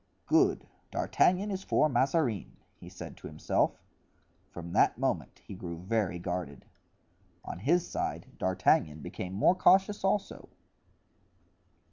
"Good! D'Artagnan is for Mazarin," he said to himself. From that moment he grew very guarded. On his side D'Artagnan became more cautious also.